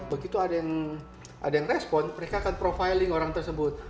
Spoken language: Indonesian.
begitu ada yang respon mereka akan profiling orang tersebut